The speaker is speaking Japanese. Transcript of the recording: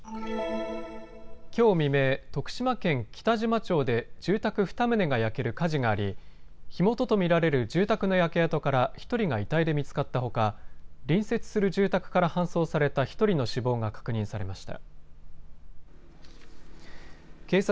きょう未明、徳島県北島町で住宅２棟が焼ける火事があり火元と見られる住宅の焼け跡から１人が遺体で見つかったほか隣接する住宅から搬送された１人の死亡が確認されました。